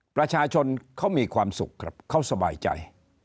ประชาชนเขามีความสุขครับเขาสบายใจ